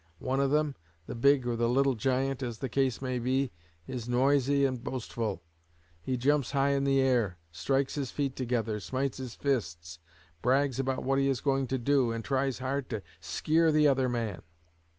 One of them, the big or the little giant, as the case may be, is noisy and boastful; he jumps high in the air, strikes his feet together, smites his fists, brags about what he is going to do, and tries hard to 'skeer' the other man.